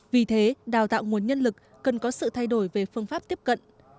vì thế đào tạo nguồn nhân lực cần có sự thay đổi về phương pháp tiếp cận